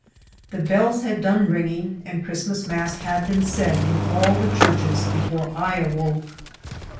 The bells had done ringing, and Christmas mass had been said in all the churches beicnre I awoke.